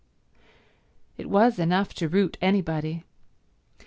It was enough to root anybody.